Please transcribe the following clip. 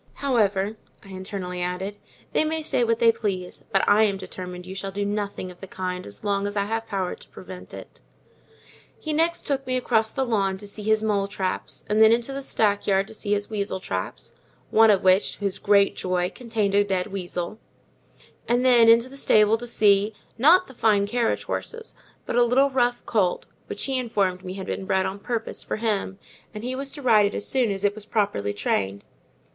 However," I internally added, "they may say what they please, but I am determined you shall do nothing of the kind, as long as I have power to prevent it." He next took me across the lawn to see his mole traps, and then into the stack yard to see his weasel traps: one of which, to his great joy, contained a dead weasel; and then into the stable to see, not the fine carriage horses, but a little rough colt, which he informed me had been bred on purpose for him, and he was to ride it as soon as it was properly trained.